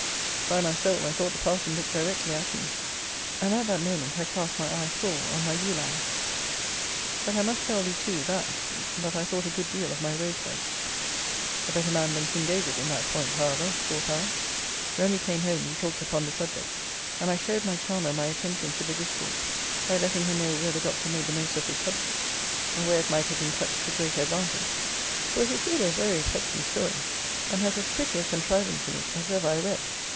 By my soul I thought the parson looked directly at me; and at that moment I cast my eye full on my ewe lamb. But I must tell thee too, that, that I thought a good deal of my Rosebud. A better man than King David, in that point, however, thought I! When we came home we talked upon the subject; and I showed my charmer my attention to the discourse, by letting her know where the Doctor made the most of his subject, and where it might have been touched to greater advantage: for it is really a very affecting story, and has as pretty a contrivance in it as ever I read.